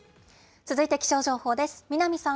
続いて気象情報です。